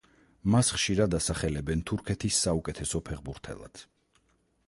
მას ხშირად ასახელებენ თურქეთის საუკეთესო ფეხბურთელად.